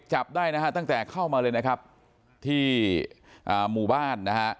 จับได้นะฮะตั้งแต่เข้ามาเลยนะครับที่อ่าหมู่บ้านนะฮะ